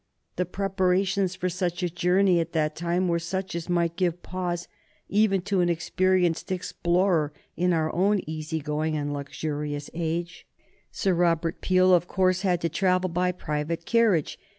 The preparations for such a journey at that time were such as might give pause even to an experienced explorer in our own easy going and luxurious age. Sir Robert Peel, of course, had to travel by private carriage.